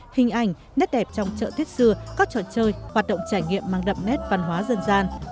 hình ảnh nét đẹp trong chợ tết xưa các trò chơi hoạt động trải nghiệm mang đậm nét văn hóa dân gian